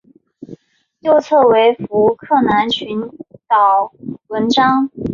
右侧为福克兰群岛纹章。